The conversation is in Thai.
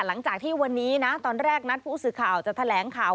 หลังจากที่วันนี้นะตอนแรกนัดผู้สื่อข่าวจะแถลงข่าว